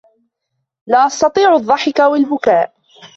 لا أستطيع الضحك أو البكاء.